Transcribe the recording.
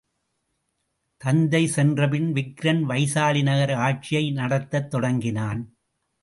தந்தை சென்றபின் விக்கிரன் வைசாலி நகர ஆட்சியை நடத்தத் தொடங்கினான்.